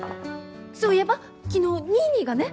そういえば昨日ニーニーがね。